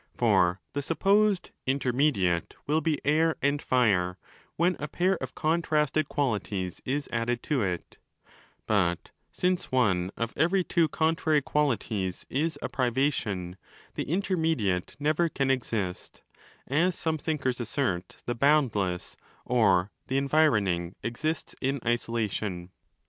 For the supposed 'inter mediate' will be Air and Fire when a pair of contrasted qualities is added to it: but, since one of every two con trary qualities is a 'privation', the 'intermediate' never can exist—as some thinkers assert the ' Boundless' or the 'Environing' exists—in isolation.